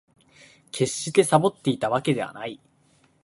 決してサボっていたわけではない